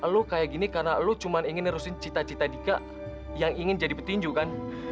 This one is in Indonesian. lu kayak gini karena lu cuma ingin nerusin cita cita dika yang ingin jadi petinju kan